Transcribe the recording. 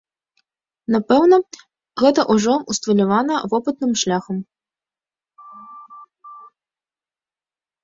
Напэўна, гэта ўжо ўсталявана вопытным шляхам.